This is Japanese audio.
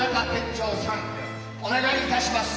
お願いいたします。